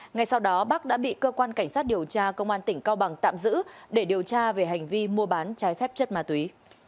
ngay sau đó bắc đã bị cơ quan cảnh sát điều tra công an tỉnh cao bằng tạm giữ để điều tra về hành vi mua bán trái phép chất ma túy